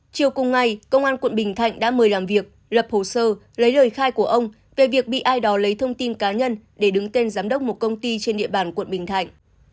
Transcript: chiều cùng ngày công an quận bình thạnh đã mời làm việc lập hồ sơ lấy lời khai của ông về việc bị ai đó lấy thông tin cá nhân để đứng tên giám đốc một công ty trên địa bàn quận bình thạnh